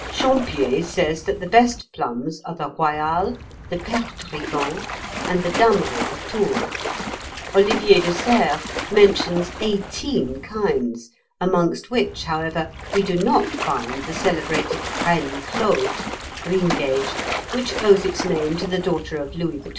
Champier says that the best plums are the royale, the perdrigon, and the damas of Tours; Olivier de Serres mentions eighteen kinds amongst which, however, we do not find the celebrated Reine Claude (greengage), which owes its name to the daughter of Louis XII.